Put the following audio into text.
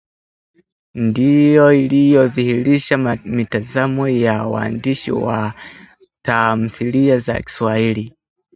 ndiyo iliyodhihirisha mitazamo ya waandishi wa tamthilia za Kiswahili